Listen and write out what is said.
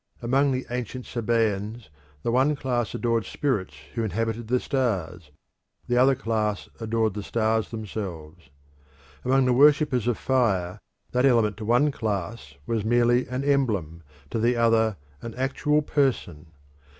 Among the ancient Sabaeans the one class adored spirits who inhabited the stars, the other class adored the stars themselves. Among the worshippers of fire that element to one class was merely an emblem, to the other an actual person.